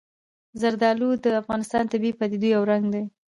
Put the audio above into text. زردالو د افغانستان د طبیعي پدیدو یو رنګ دی.